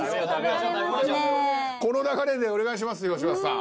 この流れでお願いしますよ